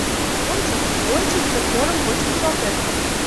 Ончо, ончыч затворым почын кудалтет.